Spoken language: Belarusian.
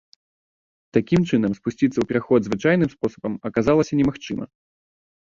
Такім чынам, спусціцца ў пераход звычайным спосабам аказалася немагчыма.